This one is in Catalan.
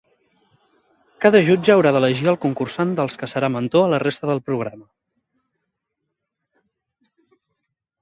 Cada jutge haurà d'elegir al concursant dels que serà mentor a la resta del programa.